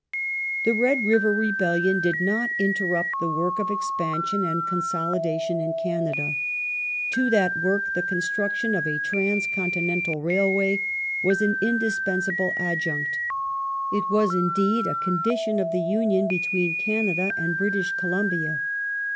The Red River rebellion did not interrupt the work of expan The Cana sion and consolidation in Canada. To that work the construction J^"._ r^acinc of a trans continental railway was an indispensable adjunct. It Railway was indeed a condition of the union between Canada and British Columbia.